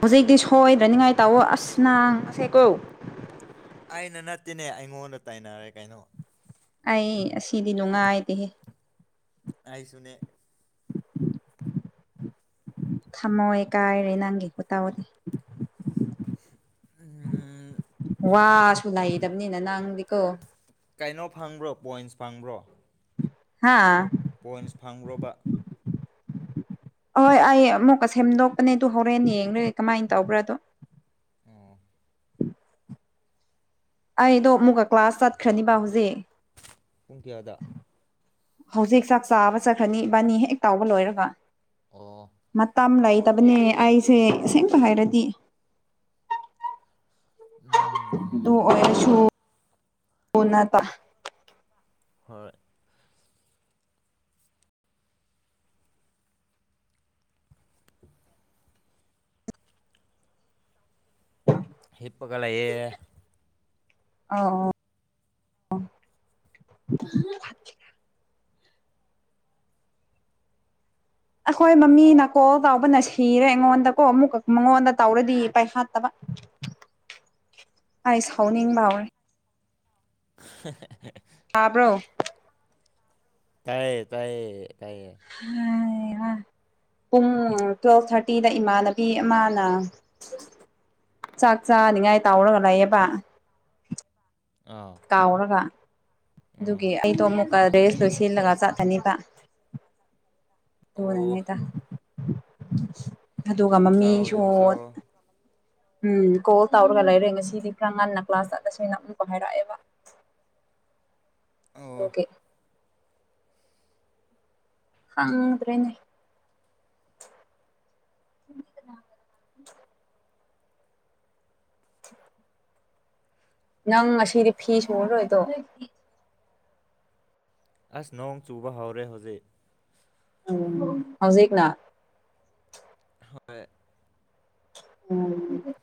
ꯍꯧꯖꯤꯛꯇꯤ ꯁꯣꯏꯗꯅꯤꯡꯉꯥꯏ ꯇꯧꯑꯣ ꯑꯁ ꯅꯥꯡ ꯕꯁꯦꯀꯣ ꯑꯩꯅ ꯅꯠꯇꯦꯅꯦ ꯑꯩꯉꯣꯟꯗ ꯇꯥꯏꯅꯔꯦ ꯀꯩꯅꯣ ꯑꯩ ꯑꯁꯤꯗꯤ ꯅꯨꯡꯉꯥꯏꯇꯦꯍꯦ ꯑꯩꯁꯨꯅꯦ [inaudible] ꯊꯝꯃꯣꯏ ꯀꯥꯏꯔꯦ ꯅꯪꯒꯤ ꯈꯨꯇꯧꯗꯤ ꯎꯝ ꯋꯥꯁꯨ ꯅꯩꯗꯕꯅꯤꯅ ꯅꯪꯗꯤꯀꯣ ꯀꯩꯅꯣ ꯐꯪꯕ꯭ꯔꯣ ꯄꯣꯏꯟꯁ ꯐꯪꯕ꯭ꯔꯣ ꯍꯥꯥ ꯄꯣꯏꯟꯁ ꯐꯪ꯭ꯕꯔꯣꯕꯥ ꯍꯣꯏ ꯑꯩ ꯑꯃꯨꯛꯀ ꯁꯦꯝꯗꯣꯛꯄꯅꯦ ꯑꯗꯨ ꯍꯧꯔꯦꯟ ꯌꯦꯡꯔꯒꯦ ꯀꯃꯥꯏ ꯇꯧꯕ꯭ꯔꯥ ꯑꯗꯣ ꯑꯣ ꯑꯩꯗꯣ ꯑꯃꯨꯛꯀ ꯀ꯭ꯂꯥꯁ ꯆꯠꯈ꯭ꯔꯅꯤꯕ ꯍꯨꯖꯤꯛ ꯄꯨꯡ ꯀꯌꯥꯗ ꯍꯧꯖꯤꯛ ꯆꯥꯛ ꯆꯥꯕ ꯆꯠꯈ꯭ꯔꯅꯤ ꯏꯕꯥꯅꯤ ꯍꯦꯛ ꯇꯧꯕ ꯂꯣꯏꯔꯒ ꯑꯣ ꯃꯇꯝ ꯂꯩꯇꯕꯅꯦ ꯑꯩꯁꯦ ꯑꯁꯦꯡꯕ ꯍꯥꯏꯔꯗꯤ ꯎꯝ ꯑꯗꯨ ꯎꯝ ꯑꯣꯏꯔꯁꯨ ꯀꯣꯟꯅ ꯇꯞ ꯍꯣꯏ [inaudible] ꯍꯤꯞꯄꯑꯒ ꯂꯩꯌꯦ ꯑꯧ [unintelligible] ꯑꯈꯣꯏ ꯃꯃꯤꯅꯥ ꯀꯣꯜ ꯇꯧꯕꯅ ꯁꯤꯔꯦ ꯑꯩꯉꯣꯟꯗꯀꯣ ꯑꯃꯨꯛꯀ ꯃꯉꯣꯟꯗ ꯇꯧꯔꯗꯤ ꯄꯥꯏꯈꯠꯇꯕ ꯑꯩ ꯁꯥꯎꯅꯤꯡꯕ ꯍꯧꯔꯦ [unintelligible] ꯇꯥꯕ꯭ꯔꯣ ꯇꯥꯏꯌꯦ ꯇꯥꯏꯌꯦ ꯇꯥꯏꯌꯦ ꯍꯩ ꯍꯥ ꯄꯨꯡ ꯇꯨꯋꯦꯜꯐ ꯊꯥꯔꯇꯤꯗ ꯏꯃꯥꯟꯅꯕꯤ ꯑꯃꯅ ꯆꯥꯛ ꯆꯥꯅꯤꯡꯉꯥꯏ ꯇꯧꯔꯒ ꯂꯩꯌꯦꯕ ꯑꯥ ꯀꯥꯎꯔꯒ ꯎꯝ ꯑꯗꯨꯒꯤ ꯑꯩꯗꯣ ꯑꯃꯨꯛꯀ ꯔꯦꯁ ꯂꯣꯏ ꯁꯤꯜꯂꯒ ꯆꯠꯂꯅꯤꯕ ꯑꯣ ꯑꯗꯨꯅꯅꯤꯗ ꯑꯗꯨꯒ ꯌꯥꯝ ꯆꯥꯎ ꯃꯃꯤꯁꯨ ꯌꯥꯝ ꯆꯥꯎ ꯎꯝ ꯀꯣꯜ ꯇꯧꯔꯒ ꯂꯩꯔꯦ ꯉꯁꯤꯗꯤ ꯈꯔ ꯉꯟꯅ ꯀ꯭ꯂꯥꯁ ꯆꯠꯂꯁꯦꯅ ꯑꯃꯨꯛꯀ ꯍꯥꯏꯔꯛꯑꯦꯕ ꯑꯣ ꯑꯗꯨꯒꯤ ꯈꯪꯗ꯭ꯔꯦꯅꯦ [inaudible] ꯅꯪ ꯉꯁꯤꯗꯤ ꯐꯤ ꯁꯨꯔꯔꯣꯏꯗꯣ ꯑꯁ ꯅꯣꯡ ꯆꯨꯕ ꯍꯧꯔꯦ ꯍꯧꯖꯤꯛ ꯎꯝ ꯍꯧꯖꯤꯛꯅ ꯍꯣꯏ ꯎꯝ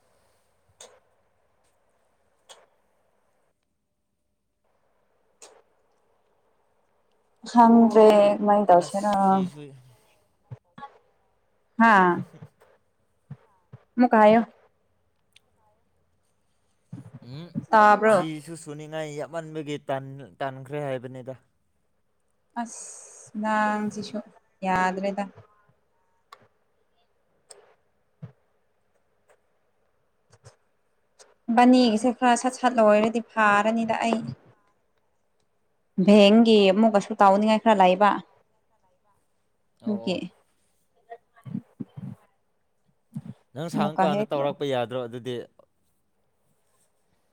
ꯈꯪꯗ꯭ꯔꯦ ꯀꯃꯥꯏꯟ ꯑꯁ ꯇꯧꯁꯤꯔ ꯐꯤꯁꯨ ꯍꯥꯥ ꯑꯃꯨꯛꯀ ꯍꯥꯏꯌꯨ [inaudible] ꯎꯝ ꯇꯥꯕ꯭ꯔꯣ ꯐꯤꯁꯨ ꯁꯨꯅꯤꯡꯉꯥꯏ ꯌꯥꯝꯃꯟꯕꯒꯤ ꯇꯟ ꯇꯟꯈ꯭ꯔꯦ ꯍꯥꯏꯕꯅꯤꯗ ꯑꯁ ꯅꯪꯁꯤꯁꯨ ꯌꯥꯗ꯭ꯔꯦꯗ ꯏꯕꯅꯤꯒꯤꯁꯦ ꯈꯔ ꯁꯠ ꯁꯠ ꯂꯣꯏꯔꯗꯤ ꯐꯥꯔꯅꯤꯗ ꯑꯩ ꯕꯦꯡꯒꯤ ꯑꯃꯨꯛꯀꯁꯨ ꯇꯥꯎꯅꯤꯡꯉꯥꯏ ꯈꯔ ꯂꯩꯕ ꯑꯣ ꯑꯗꯨꯒꯤ ꯑꯣ ꯅꯪ ꯑꯃꯨꯛꯀ ꯁꯥꯡꯉꯀꯥꯟꯗ ꯍꯦꯛ ꯇꯧꯔꯛꯄ ꯌꯥꯗ꯭ꯔꯣ ꯑꯗꯨꯗꯤ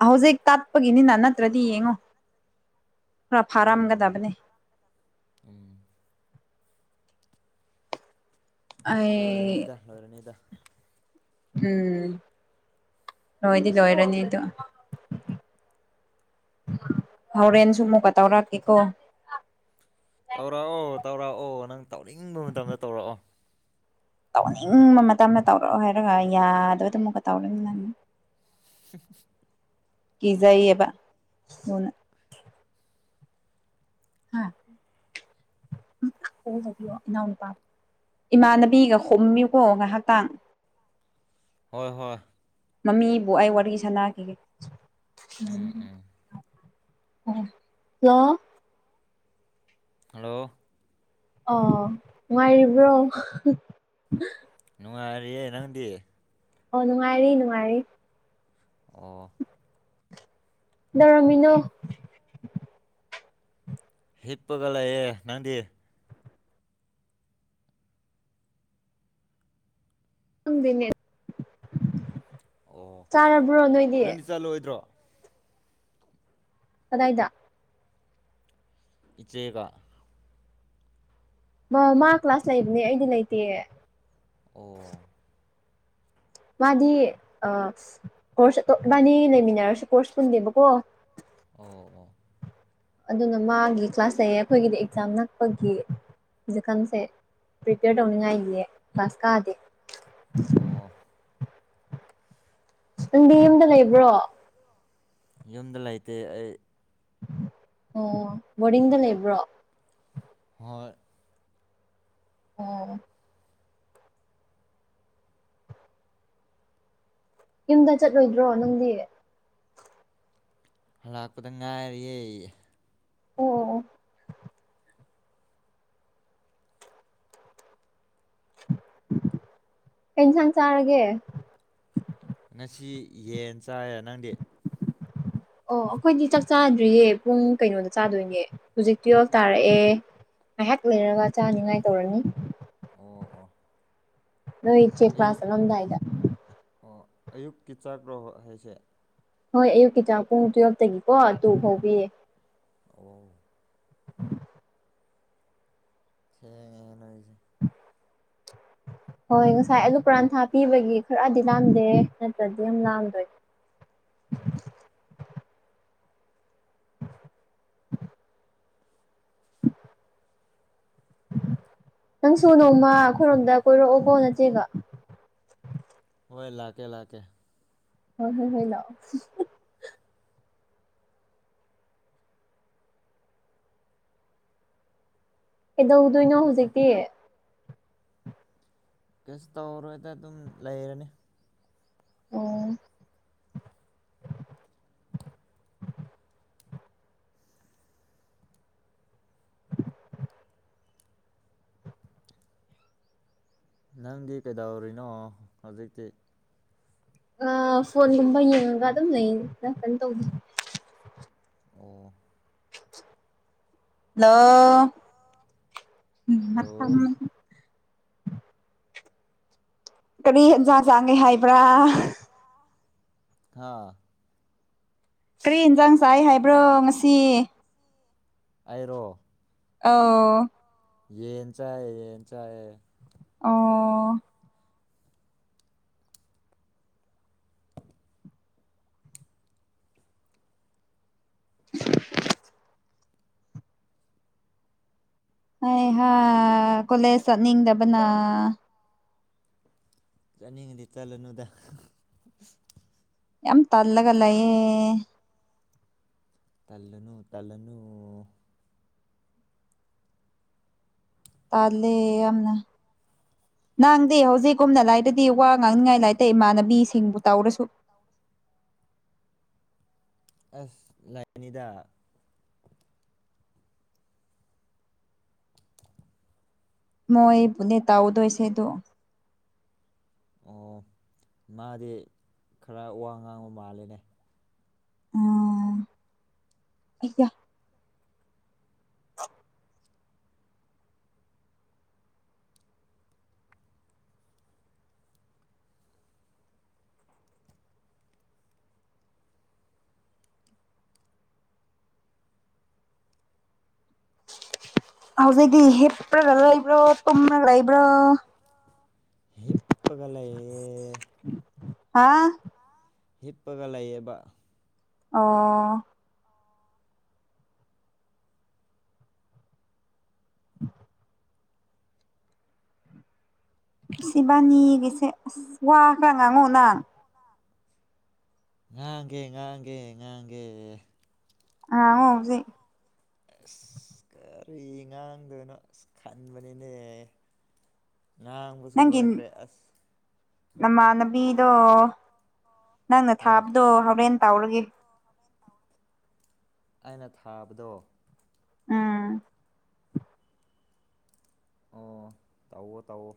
ꯍꯧꯖꯤꯛ ꯇꯞꯄꯒꯤꯅꯤꯅ ꯅꯠꯇ꯭ꯔꯗꯤ ꯌꯦꯡꯉꯣ ꯈꯔ ꯎꯝ ꯐꯥꯔꯝꯒꯗꯕꯅꯦ ꯎꯝ ꯑꯩ ꯂꯣꯏꯔꯅꯤꯗ ꯂꯣꯏꯔꯅꯤꯗ ꯎꯝ ꯂꯣꯏꯗꯤ ꯂꯣꯏꯔꯅꯤꯗꯣ ꯍꯣꯔꯦꯟꯁꯨ ꯑꯃꯨꯛꯀ ꯇꯧꯔꯛꯀꯦꯀꯣ ꯇꯧꯔꯛꯑꯣ ꯇꯧꯔꯛꯑꯣ ꯅꯪ ꯇꯧꯅꯤꯡꯕ ꯃꯇꯝꯗ ꯇꯧꯔꯛꯑꯣ ꯇꯧꯅꯤꯡꯕ ꯃꯇꯝꯗ ꯇꯧꯔꯛꯑꯣ ꯍꯥꯏꯔꯒ ꯌꯥꯗ꯭ꯔꯒꯅ ꯑꯃꯨꯛꯀ ꯇꯧꯔꯅꯤ ꯅꯪ [unintelligible] ꯀꯤꯖꯩꯑꯦꯕ ꯑꯗꯨꯅ ꯍꯥ ꯏꯅꯥꯎꯅꯨꯄꯥ ꯏꯃꯥꯟꯅꯕꯤꯒ ꯍꯨꯝꯃꯤꯎꯀꯣ ꯉꯥꯏꯍꯥꯛꯇꯥꯡ ꯍꯣꯏ ꯍꯣꯏ ꯃꯃꯤꯕꯨ ꯑꯩ ꯋꯥꯔꯤ ꯁꯥꯟꯅꯈꯤꯒꯦ ꯎꯝ ꯎꯝ ꯍꯜꯂꯣ ꯍꯜꯂꯣ ꯑꯣ ꯅꯨꯉꯥꯏꯔꯤꯕ꯭ꯔꯣ ꯅꯨꯡꯉꯥꯏꯔꯤꯌꯦ ꯅꯪꯗꯤ ꯑꯣ ꯅꯨꯡꯉꯥꯏꯔꯤ ꯅꯨꯡꯉꯥꯏꯔꯤ ꯑꯣ ꯀꯩꯗꯧꯔꯝꯃꯤꯅꯣ ꯍꯤꯞꯄꯒ ꯂꯩꯌꯦ ꯅꯪꯗꯤ ꯈꯪꯗꯦꯅꯦ ꯆꯥꯔꯕ꯭ꯔꯣ ꯅꯣꯏꯗꯤ ꯆꯜꯂꯣꯏꯗ꯭ꯔꯣ ꯀꯗꯥꯏꯗ ꯏꯆꯦꯒ ꯃꯣ ꯃꯥ ꯀ꯭ꯂꯥꯁ ꯂꯩꯕꯅꯦ ꯑꯩꯗꯤ ꯂꯩꯇꯦꯌꯦ ꯑꯣ ꯃꯥꯗꯤ ꯑ ꯀꯣꯔꯁ ꯑꯇꯣ ꯏꯕꯥꯅꯤ ꯂꯩꯃꯤꯟꯅꯔꯁꯨ ꯀꯣꯔꯁ ꯄꯨꯟꯗꯦꯕꯀꯣ ꯑꯣ ꯑꯣ ꯑꯗꯨꯅ ꯃꯥꯒꯤ ꯀ꯭ꯂꯥꯁ ꯂꯩꯌꯦ ꯑꯈꯣꯏꯒꯤꯗꯤ ꯑꯦꯛꯖꯥꯝ ꯅꯛꯄꯒꯤ ꯍꯧꯖꯤꯛꯀꯥꯟꯁꯦ ꯄ꯭ꯔꯤꯄꯦꯌꯔ ꯇꯧꯅꯤꯡꯉꯥꯏꯒꯤ ꯀ꯭ꯂꯥꯁ ꯀꯥꯗꯦ ꯑꯣ ꯅꯪꯗꯤ ꯌꯨꯝꯗ ꯂꯩꯕ꯭ꯔꯣ ꯂꯩꯕ꯭ꯔꯣ ꯌꯨꯝꯗ ꯂꯩꯇꯦ ꯑꯩ ꯑꯣ ꯕꯣꯔꯗꯤꯡꯗ ꯂꯩꯕ꯭ꯔꯣ ꯍꯣꯏ ꯑꯣ ꯌꯨꯝꯗ ꯆꯠꯂꯣꯏꯗ꯭ꯔꯣ ꯅꯪꯗꯤ ꯍꯉꯥꯛꯄꯗ ꯉꯥꯏꯔꯤꯌꯦ ꯑꯣ ꯑꯣ ꯑꯣ ꯀꯩ ꯏꯟꯁꯥꯡ ꯆꯥꯔꯒꯦ ꯉꯁꯤ ꯌꯦꯟ ꯆꯥꯏꯌꯦ ꯅꯪꯗꯤ ꯑꯣ ꯑꯈꯣꯏꯗꯤ ꯆꯥꯛ ꯆꯥꯗ꯭ꯔꯤꯌꯦ ꯄꯨꯡ ꯀꯩꯅꯣꯗ ꯆꯥꯗꯣꯏꯅꯦ ꯍꯨꯖꯤꯛ ꯇꯨꯌꯦꯜ꯭ꯐ ꯇꯥꯔꯛꯑꯦ ꯉꯥꯏꯍꯥꯛ ꯂꯩꯔꯒ ꯆꯥꯅꯤꯉꯥꯏ ꯇꯧꯔꯅꯤ ꯑꯣ ꯑꯣ ꯅꯣꯏ ꯆꯦ ꯀ꯭ꯂꯥꯁ ꯑꯌꯨꯛ ꯆꯠꯂꯝꯗꯥꯏꯗ ꯑꯣ ꯑꯌꯨꯛꯀꯤ ꯆꯥꯛꯔꯣ ꯍꯥꯏꯁꯦ ꯍꯣꯏ ꯑꯌꯨꯛꯀꯤ ꯆꯥꯛ ꯄꯨꯡ ꯇꯨꯌꯦꯜ꯭ꯐꯇꯒꯤꯀꯣ ꯇꯨ ꯐꯥꯎ ꯄꯤꯌꯦ ꯑꯑꯣ ꯊꯦꯡꯉꯦꯍꯦ ꯅꯣꯏꯖꯤ ꯍꯣꯏ ꯉꯁꯥꯏ ꯑꯂꯨ ꯄꯥꯔꯥꯟꯊꯥ ꯄꯤꯕꯒꯤ ꯈꯔꯗꯤ ꯂꯥꯝꯗꯦ ꯅꯠꯇ꯭ꯔꯗꯤ ꯌꯥꯝ ꯂꯥꯝꯗꯣꯏ ꯎꯝ ꯅꯪꯁꯨ ꯅꯣꯡꯃꯥ ꯑꯈꯣꯏꯔꯣꯝꯗ ꯀꯣꯏꯔꯛꯑꯣ ꯀꯣ ꯅꯆꯦꯒ ꯍꯣꯏ ꯂꯥꯛꯀꯦ ꯂꯥꯛꯀꯦ ꯍꯣꯏ ꯍꯣꯏ ꯍꯣꯏ ꯂꯥꯛꯑꯣ ꯀꯩꯗꯧꯗꯣꯏꯅꯣ ꯍꯨꯖꯤꯛꯇꯤ ꯀꯩꯁꯨ ꯇꯧꯔꯣꯏꯗ ꯑꯗꯨꯝ ꯂꯩꯔꯅꯤ ꯑꯣ ꯅꯪꯗꯤ ꯀꯩꯗꯧꯔꯤꯅꯣ ꯍꯧꯖꯤꯛꯇꯤ ꯑ ꯐꯣꯟꯒꯨꯝꯕ ꯌꯦꯡꯉꯒ ꯑꯗꯨꯝ ꯂꯩꯗ ꯀꯩꯝ ꯇꯧꯗꯦ ꯑꯣ ꯍꯜꯂꯣ ꯍꯂꯣ ꯀꯔꯤ ꯍꯦꯟꯖꯥꯡ ꯆꯥꯡꯒꯦ ꯍꯥꯏꯕ꯭ꯔꯥ ꯕ꯭ꯔꯥ ꯍꯥꯥ ꯀ꯭ꯔꯤ ꯏꯟꯖꯥꯡ ꯆꯥꯏ ꯍꯥꯏꯕ꯭ꯔꯣ ꯉꯁꯤ ꯑꯩꯔꯣ ꯑꯣ ꯌꯦꯟ ꯆꯥꯏ ꯌꯦꯟ ꯆꯥꯏꯌꯦ ꯑꯣ [unintelligible] ꯍꯩ ꯍꯥ ꯀꯣꯂꯦꯖ ꯆꯠꯅꯤꯡꯗꯕꯅꯥ ꯆꯠꯅꯤꯡꯉꯗꯤ ꯆꯠꯂꯨꯅꯨꯗ ꯌꯥꯝ ꯇꯜꯂꯒ ꯂꯩꯌꯦ ꯇꯜꯂꯨꯅꯨ ꯇꯜꯂꯨꯅꯨ ꯇꯥꯜꯂꯦ ꯌꯥꯝꯅ ꯅꯥꯡꯗꯤ ꯍꯧꯖꯤꯛꯀꯨꯝꯅ ꯂꯩꯔꯥꯗꯤ ꯋꯥ ꯉꯥꯡꯅꯤꯡꯉꯥꯏ ꯂꯩꯇꯦ ꯏꯃꯥꯟꯅꯕꯤꯁꯤꯡꯕꯨ ꯇꯧꯔꯁꯨ ꯇꯧꯔꯤ [unintelligible] ꯑꯁ ꯂꯩꯅꯤꯗ ꯃꯣꯏ ꯕꯨꯅꯦ ꯇꯧꯗꯣꯏꯁꯦꯗꯣ ꯑꯣ ꯃꯥꯗꯤ ꯈꯔ ꯋꯥ ꯉꯥꯡꯕ ꯃꯥꯜꯂꯦꯅꯦ ꯎꯝ ꯑꯩꯒ [inaudible] ꯍꯧꯖꯤꯛꯗꯤ ꯍꯤꯄ꯭ꯔꯒ ꯂꯩꯕ꯭ꯔꯣ ꯇꯨꯝꯔꯒ ꯂꯩꯕ꯭ꯔꯣ ꯍꯤꯞꯄꯥꯒ ꯂꯩꯌꯦ ꯍꯥꯥ ꯍꯤꯞꯄꯒ ꯂꯩꯌꯦꯕ ꯑꯣ [inaudible] ꯁꯤ ꯏꯕꯅꯤꯒꯤꯁꯦ ꯑꯁ ꯋꯥꯈ꯭ꯔ ꯉꯥꯡꯉꯣꯅ ꯉꯥꯡꯒꯦ ꯉꯥꯡꯒꯦ ꯉꯥꯡꯒꯦ ꯉꯥꯡꯉꯣ ꯍꯧꯖꯤꯛ ꯑꯁ ꯀꯔꯤ ꯉꯥꯡꯗꯣꯏꯅꯣ ꯑꯁ ꯈꯟꯕꯅꯤꯅꯦ ꯉꯥꯡꯕꯁꯨ ꯅꯪꯒꯤ ꯂꯣꯏꯈ꯭ꯔꯦ ꯑꯁ ꯅꯃꯥꯟꯅꯕꯤꯗꯣ ꯅꯪꯅ ꯍꯣꯏ ꯊꯥꯕꯗꯣ ꯍꯣꯔꯦꯟ ꯇꯥꯎꯔꯒꯦ ꯑꯩꯅ ꯊꯥꯕꯗꯣ ꯎꯝ ꯑꯣ ꯇꯧꯋꯣ ꯇꯧꯋꯣ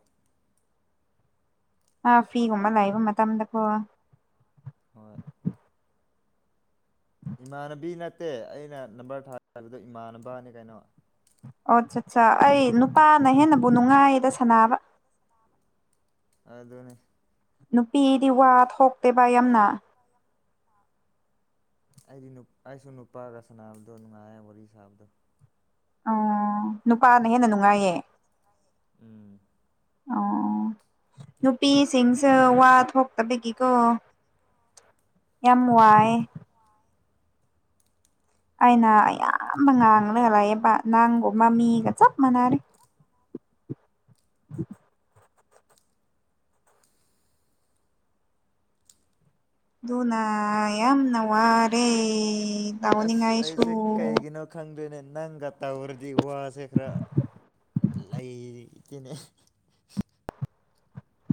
ꯑꯥ ꯐꯤꯒꯨꯝꯕ ꯂꯩꯕ ꯃꯇꯝꯗꯀꯣ ꯍꯣꯏ ꯏꯃꯥꯟꯅꯕꯤ ꯅꯠꯇꯦ ꯑꯩꯅ ꯅꯝꯕꯔ ꯊꯥ ꯊꯥꯕꯗꯣ ꯏꯃꯥꯟꯅꯕꯅꯦ ꯀꯩꯅꯣ ꯑꯣ ꯆꯥ ꯆꯥ ꯑꯩ ꯅꯨꯄꯥꯅ ꯍꯦꯟꯅꯕꯨ ꯅꯨꯡꯉꯥꯏꯌꯦꯗ ꯁꯥꯟꯅꯕ ꯑꯗꯨꯅꯤ ꯅꯨꯄꯤꯗꯤ ꯋꯥ ꯊꯣꯛꯇꯦꯕ ꯌꯥꯝꯅ ꯑꯩꯗꯤ ꯅꯨꯞ ꯑꯩꯁꯨ ꯅꯨꯄꯥꯒ ꯁꯥꯟꯅꯥꯕꯗꯣ ꯅꯨꯡꯉꯥꯏꯌꯦ ꯋꯥꯔꯤ ꯁꯥꯕꯗꯣ ꯑꯣ ꯅꯨꯄꯥꯅ ꯍꯦꯟꯅ ꯅꯨꯡꯉꯥꯏꯌꯦ ꯎꯝ ꯑꯣ ꯅꯨꯄꯤꯁꯤꯡꯁꯨ ꯋꯥ ꯊꯣꯛꯇꯕꯒꯤꯀꯣ ꯌꯥꯝ ꯋꯥꯏꯌꯦ ꯑꯩꯅ ꯑꯌꯥꯝꯕ ꯉꯥꯥꯡꯔꯒ ꯂꯩꯌꯦꯕ ꯅꯪꯒꯨꯝꯕ ꯃꯤꯒ ꯆꯥꯞ ꯃꯥꯅꯔꯦ [inaudible] ꯑꯗꯨꯅ ꯌꯥꯝꯅ ꯋꯥꯔꯦ ꯑꯁ ꯇꯧꯅꯤꯡꯉꯥꯏꯁꯨ ꯑꯩꯁꯦ ꯀꯩꯒꯤꯅꯣ ꯈꯪꯗꯦꯅꯦ ꯅꯪꯒ ꯇꯧꯔꯗꯤ ꯋꯥꯁꯦ ꯈꯔ ꯂꯩꯇꯦꯅꯦ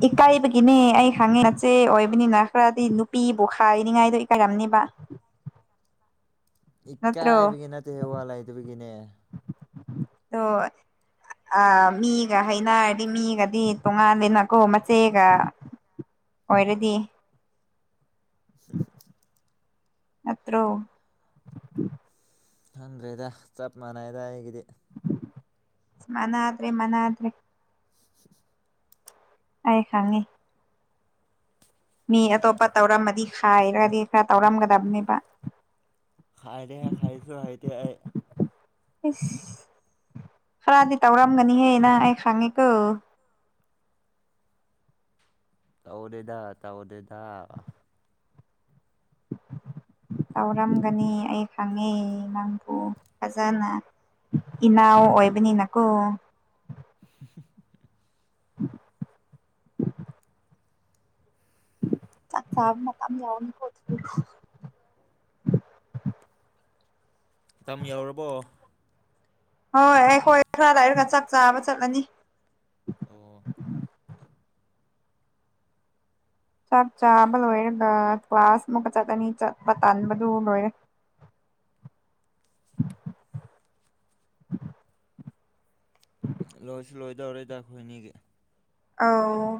ꯏꯀꯥꯏꯕꯒꯤꯅꯦ ꯑꯩ ꯍꯪꯉꯦ ꯅꯆꯦ ꯑꯣꯏꯕꯅꯤꯅ ꯈꯔꯗꯤ ꯅꯨꯄꯤꯕꯨ ꯍꯥꯏꯅꯤꯡꯉꯥꯏꯗꯣ ꯏꯀꯥꯏꯔꯝꯅꯤꯕ ꯅꯠꯇ꯭ꯔꯣ ꯏꯀꯥꯏꯕꯒꯤ ꯅꯠꯇꯦꯍꯦ ꯋꯥ ꯂꯩꯇꯕꯒꯤꯅꯦ ꯇꯣ ꯑꯥ ꯃꯤꯒ ꯍꯩꯅꯔꯗꯤ ꯃꯤꯒꯗꯤ ꯇꯉꯥꯜꯂꯦꯅꯀꯣ ꯃꯆꯦꯒ ꯑꯣꯏꯔꯗꯤ [inaudible] ꯅꯠꯇ꯭ꯔꯣ ꯈꯪꯗ꯭ꯔꯦꯗ ꯆꯞ ꯃꯥꯟꯅꯩꯗ ꯑꯩꯒꯤꯗꯤ ꯃꯅꯥꯗꯦ ꯃꯅꯥꯗ꯭ꯔꯦ꯫ [inaudible] ꯑꯩ ꯈꯪꯉꯤ꯫ ꯃꯤ ꯑꯇꯣꯞꯄ ꯇꯧꯔꯝꯃꯗꯤ ꯍꯥꯏꯔꯥꯗꯤ ꯈꯔꯥ ꯇꯧꯔꯝꯒꯗꯕꯅꯦꯕ꯫ ꯈꯥꯏꯔꯦ [inaudible] ꯍꯥꯏꯗꯦ ꯑꯩ꯫ ꯏꯁꯁ ꯈꯔꯥꯗꯤ ꯇꯧꯔꯝꯒꯅꯤꯍꯦ ꯅꯪ ꯑꯩ ꯈꯪꯉꯤꯀꯣ꯫ ꯇꯧꯗꯦꯗ ꯇꯧꯗꯦꯗ꯫ [inaudible] ꯇꯧꯔꯝꯒꯅꯤ ꯑꯩ ꯈꯪꯉꯦ ꯅꯪꯕꯨ ꯐꯖꯅ꯫ ꯏꯅꯥꯎ ꯑꯣꯏꯕꯅꯤꯅꯀꯣ꯫ [inaudible] [inaudible] ꯆꯥꯛ ꯆꯥꯕ ꯃꯇꯥꯝ ꯌꯧꯔꯦꯀꯣ ꯑꯗꯨꯗꯤ꯫ ꯃꯇꯝ ꯌꯧꯔꯕꯣ꯫ ꯍꯣꯏ ꯑꯩꯈꯣꯏ ꯈꯔ ꯂꯩꯔꯒ ꯆꯥꯛ ꯆꯥꯕ ꯆꯠꯂꯅꯤ꯫ ꯑꯣ ꯆꯥꯛ ꯆꯥꯕ ꯂꯣꯏꯔꯒ ꯀ꯭ꯂꯥꯁ ꯃꯨꯛꯀ ꯆꯠꯂꯅꯤ ꯆꯠꯄ ꯇꯟꯕꯗꯨ ꯂꯣꯏꯔꯦ ꯂꯣꯏꯁꯨ ꯂꯣꯏꯗꯧꯔꯦꯗ ꯑꯈꯣꯏꯅꯤꯒꯤ꯫ ꯑꯧ